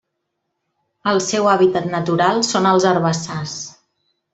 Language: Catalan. El seu hàbitat natural són els herbassars.